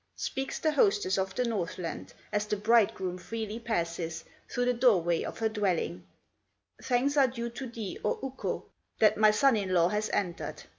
Speaks the hostess of the Northland As the bridegroom freely passes Through the doorway of her dwelling: "Thanks are due to thee, O Ukko, That my son in law has entered!